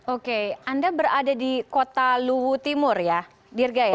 oke anda berada di kota luwu timur ya dirga ya